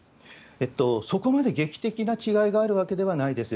そこまで劇的な違いがあるわけではないです。